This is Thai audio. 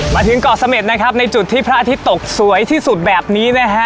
มาถึงเกาะเสม็ดนะครับในจุดที่พระอาทิตย์ตกสวยที่สุดแบบนี้นะฮะ